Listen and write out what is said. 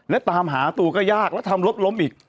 และตามหาตัวก็ยากแล้วทำรถล้มอีก